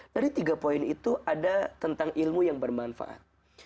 dari tiga poin itu ada tentang ilmu yang bermanfaat